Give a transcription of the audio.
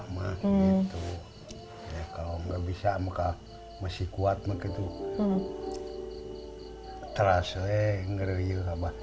mah itu kalau nggak bisa maka masih kuat begitu terus eh ngeriuh abahnya